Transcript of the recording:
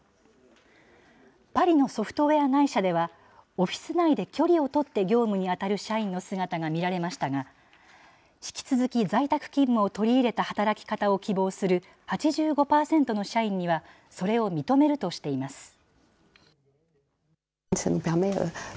パリのソフトウエア会社では、オフィス内で距離を取って業務に当たる社員の姿が見られましたが、引き続き在宅勤務を取り入れた働き方を希望する８５％の社員には、それを認めるとしています。